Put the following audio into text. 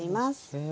へえ。